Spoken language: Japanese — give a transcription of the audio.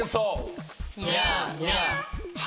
ニャーニャー。